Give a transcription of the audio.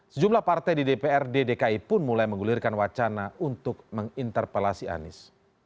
sejumlah partai di dprd dki pun mulai menggulirkan wacana untuk menginterpelasi anies